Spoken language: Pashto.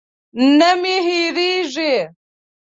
نه مې هېرېږي.